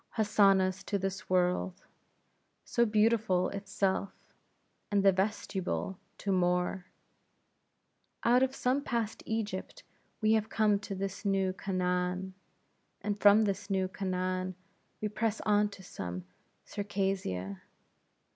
Hosannahs to this world! so beautiful itself, and the vestibule to more. Out of some past Egypt, we have come to this new Canaan; and from this new Canaan, we press on to some Circassia.